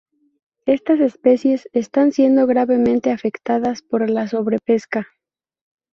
Estas especies están siendo gravemente afectadas por la sobrepesca.